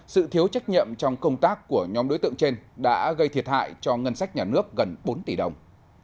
sự thiếu trách nhiệm trong công tác của nhóm đối tượng trên đã gây thiệt hại cho ngân sách nhà nước gần bốn tỷ đồng